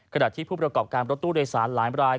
ขณะที่ผู้ประกอบการรถตู้โดยสารหลายราย